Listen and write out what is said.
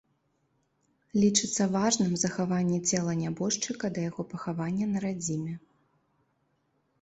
Лічыцца важным захаванне цела нябожчыка да яго пахавання на радзіме.